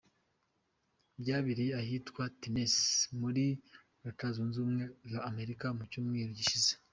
Byabereye ahitwa Tennesse muri Leta zunze Ubumwe za Amerika mu cyumweru gishize.